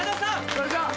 それじゃあ。